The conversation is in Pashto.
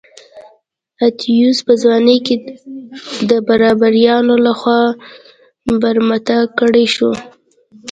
اتیوس په ځوانۍ کې د بربریانو لخوا برمته کړای شو.